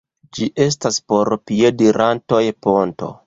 Ĝi estas por piedirantoj ponto.